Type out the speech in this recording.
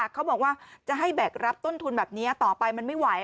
เขาบอกว่าจะให้แบกรับต้นทุนแบบนี้ต่อไปมันไม่ไหว